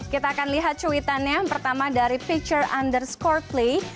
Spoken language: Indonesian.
kita akan lihat cuitannya yang pertama dari picture underscore play